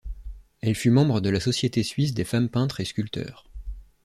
Elle fut membre de la Société suisse des femmes peintres et sculpteurs.